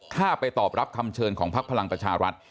ถ้าไปตอบรับคำเชิญของพักพลังประชารัฐ